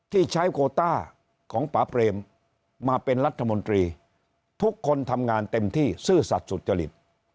ที่ใช้โคต้าของป่าเปรมมาเป็นรัฐมนตรีทุกคนทำงานเต็มที่ซื่อสัตว์สุจริต